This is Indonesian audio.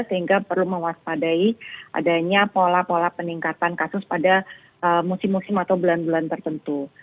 sehingga perlu mewaspadai adanya pola pola peningkatan kasus pada musim musim atau bulan bulan tertentu